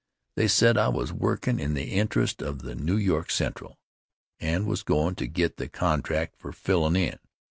They said I was workin' in the interest of the New York Central, and was goin' to get the contract for fillin' in.